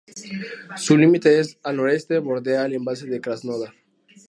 Su límite al noroeste bordea el embalse de Krasnodar.